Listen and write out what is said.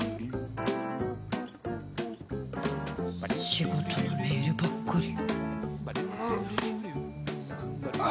仕事のメールばっかり。